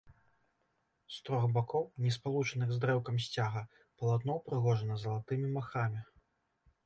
З трох бакоў, не спалучаных з дрэўкам сцяга, палатно ўпрыгожана залатымі махрамі.